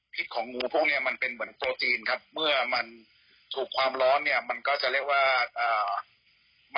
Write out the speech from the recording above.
แต่ยังไงก็ตามอันนี้ก็ต้องบอกก่อนว่าเรา